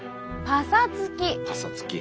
パサつき。